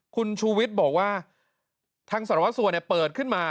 คุณชูวิทย์บอกว่าทางสารวัสสัวเปิดขึ้นมา